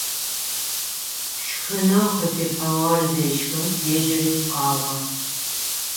Шхынэу къыфихьыгъэр зешхым, ежьыри лӀагъэ.